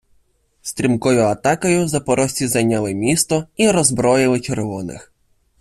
Стрімкою атакою запорожці зайняли місто і роззброїли червоних.